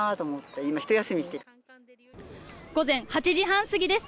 午前８時半過ぎです。